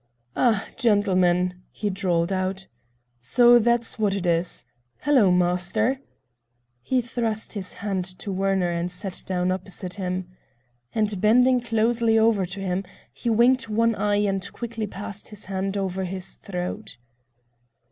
"Ah, gentlemen!" he drawled out. "So that's what it is. Hello, master!" He thrust his hand to Werner and sat down opposite him. And bending closely over to him, he winked one eye and quickly passed his hand over his throat.